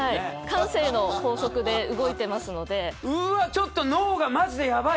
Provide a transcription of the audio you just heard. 慣性の法則で動いていますので。